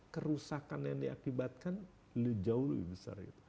kerusakan yang diakibatkan jauh lebih besar